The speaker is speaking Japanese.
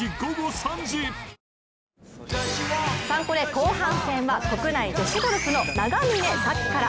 後半戦は国内女子ゴルフの永峰咲希から。